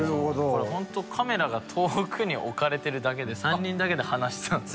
これホントカメラが遠くに置かれてるだけで３人だけで話してたんですよ。